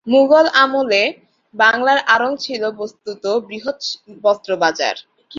মুগল আমলে বাংলায় আড়ং ছিল বস্ত্তত বৃহৎ বস্ত্র বাজার।